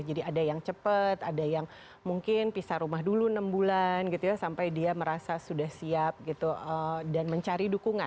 jadi ada yang cepat ada yang mungkin pisah rumah dulu enam bulan gitu ya sampai dia merasa sudah siap gitu dan mencari dukungan